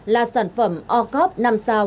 là sản phẩm ô cốt năm sao